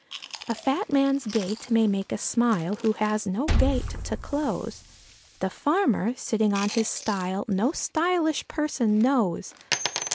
A fat man's gait may make us smile, who has no gate to close; The farmer, sitting on his stile no _sty_lish person knows.